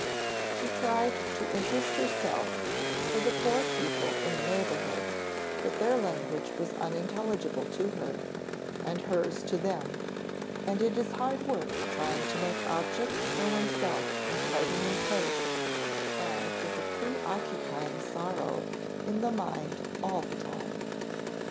She tried to interest herself for the poor people in the neighbourhood, but their language was unintelligible to her, and her's to them, and it is hard work trying to make objects for oneself in quite a new place, and with a pre occupying sorrow in the mind all the time.